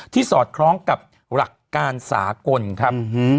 สอดคล้องกับหลักการสากลครับ